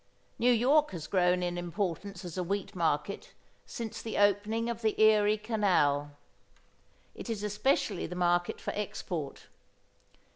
New York has grown in importance as a wheat market since the opening of the Erie Canal. It is especially the market for export.